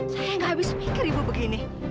saya gak habis pikir ibu begini